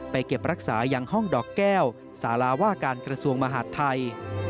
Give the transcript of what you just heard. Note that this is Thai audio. เก็บรักษายังห้องดอกแก้วสาราว่าการกระทรวงมหาดไทย